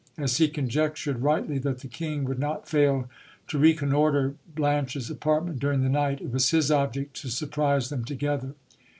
As he conjectured rightly that the king would not fail to reconnoitre Blanche's apartment during the night, it was his object to surprise them together.